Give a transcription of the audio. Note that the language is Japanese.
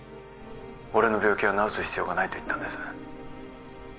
俺の病気は治す必要がないと言ったんです